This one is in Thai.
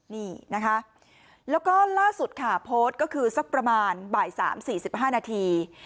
นี่นะคะแล้วก็ล่าสุดค่ะโพสต์ก็คือสักประมาณบ่าย๓๔๕นาที